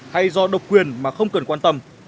hay do độc quyền mà không cần quan tâm